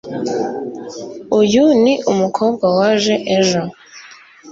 uyu ni umukobwa waje ejo